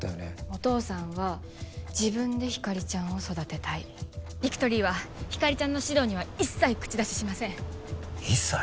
お父さんは自分でひかりちゃんを育てたいビクトリーはひかりちゃんの指導には一切口出ししません一切？